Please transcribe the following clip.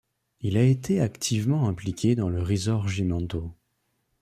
Il a été activement impliqué dans le Risorgimento.